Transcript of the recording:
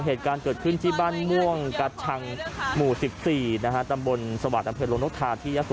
เหตุการณ์เกิดขึ้นที่บ้านม่วงกัดชังหมู่๑๔นะฮะ